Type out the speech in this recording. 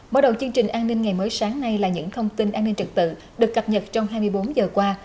mở đầu chương trình an ninh ngày mới sáng nay là những thông tin an ninh trực tự được cập nhật trong hai mươi bốn giờ qua